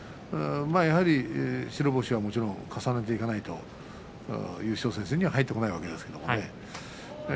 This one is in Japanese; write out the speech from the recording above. やはり白星はもちろん重ねていかないと優勝戦線には入ってこないですよね。